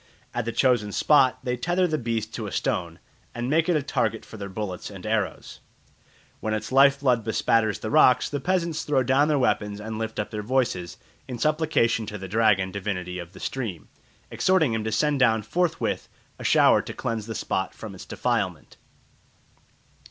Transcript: At the chosen spot they tether the beast to a stone, and make it a target for their bullets and arrows. When its life blood bespatters the rocks, the peasants throw down their weapons and lift up their voices in supplication to the dragon divinity of the stream, exhorting him to send down forthwith a shower to cleanse the spot from its defilement.